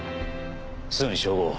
すぐに照合を。